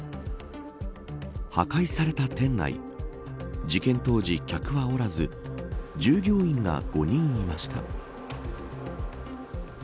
破壊された店内事件当時客はおらず従業員が５人いました。